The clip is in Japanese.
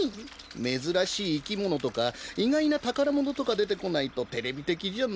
めずらしいいきものとかいがいなたからものとかでてこないとテレビてきじゃないんだよ。